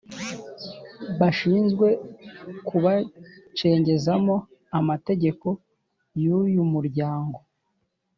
bashinzwe kubacengezamo amategeko yu yu mumuryango